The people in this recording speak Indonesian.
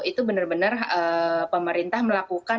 itu benar benar pemerintah melakukan